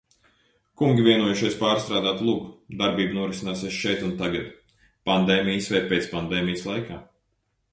Kungi vienojušies pārstrādāt lugu – darbība norisināsies šeit un tagad, pandēmijas vai "pēcpandēmijas" laikā.